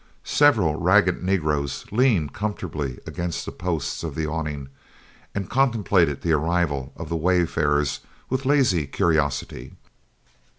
Several ragged negroes leaned comfortably against the posts of the awning and contemplated the arrival of the wayfarers with lazy curiosity.